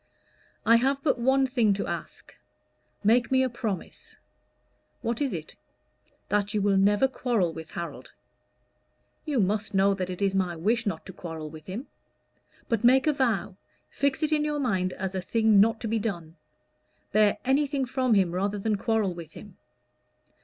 "I have but one thing to ask. Make me a promise." "What is it?" "That you will never quarrel with Harold." "You must know that it is my wish not to quarrel with him." "But make a vow fix it in your mind as a thing not to be done. Bear anything from him rather than quarrel with him."